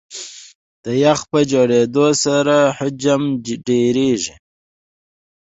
د یخ په جوړېدو سره حجم ډېرېږي.